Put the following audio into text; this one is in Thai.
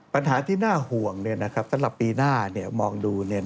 ปัญหาที่น่าห่วงตลอดปีหน้ามองดู